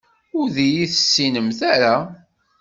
Ur d-iyi-tessinemt ara.